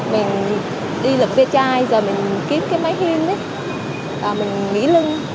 mình đi lập bia chai giờ mình kiếm cái máy hiên mình nghỉ lưng